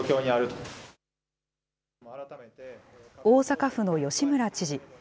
大阪府の吉村知事。